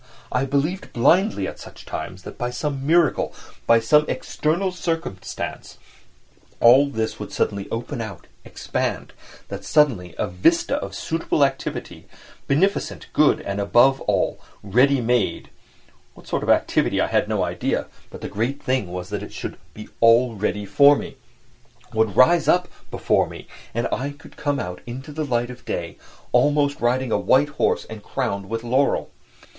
I believed blindly at such times that by some miracle, by some external circumstance, all this would suddenly open out, expand; that suddenly a vista of suitable activity—beneficent, good, and, above all, ready made (what sort of activity I had no idea, but the great thing was that it should be all ready for me)—would rise up before me—and I should come out into the light of day, almost riding a white horse and crowned with laurel.